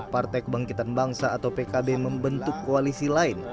partai kebangkitan bangsa atau pkb membentuk koalisi lain